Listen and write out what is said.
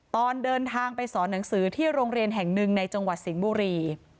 ตอนเดินทางไปสอนหนังสือที่โรงเรียนแห่งหนึ่งในจังหวัดสิงห์บุรี